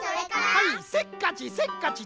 はいせっかちせっかち